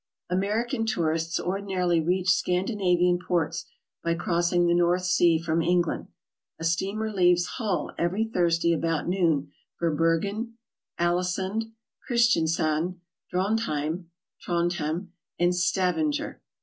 American tourists ordinarily reach Scandinavian ports by crossing the North Sea from England. A steamer leaves Hull every Thursday about noon for Bergen, Aalesund, Christiansand, Drontheim (Trondhjem), and Stavanger.